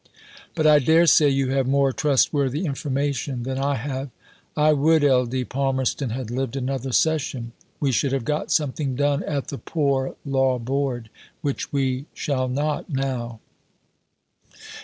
But I daresay you have more trustworthy information than I have. I would Ld. Palmerston had lived another Session. We should have got something done at the Poor Law Board, which we shall not now.